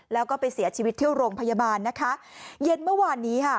แล้วก็ไปเสียชีวิตที่โรงพยาบาลนะคะเย็นเมื่อวานนี้ค่ะ